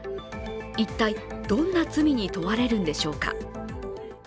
一体、どんな罪に問われるのでしょうか。